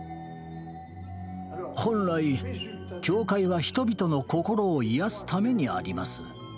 本来教会は人々の心を癒やすためにあります。